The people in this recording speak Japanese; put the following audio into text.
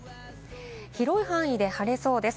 広い範囲で晴れそうです。